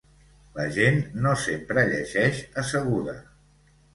La gent no sempre llegeix asseguda.